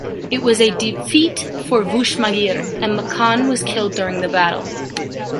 It was a defeat for Vushmagîr and Makan was killed during the battle.